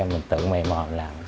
mình tự mềm mòn làm